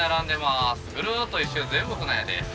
ぐるっと一周全部舟屋です。